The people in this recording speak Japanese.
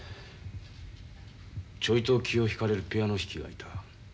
ちょいと気を引かれるピアノ弾きがいた。